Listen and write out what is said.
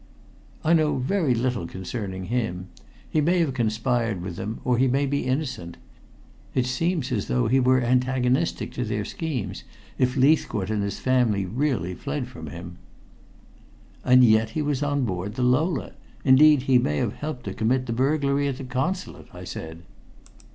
"I know very little concerning him. He may have conspired with them, or he may be innocent. It seems as though he were antagonistic to their schemes, if Leithcourt and his family really fled from him." "And yet he was on board the Lola. Indeed, he may have helped to commit the burglary at the Consulate," I said.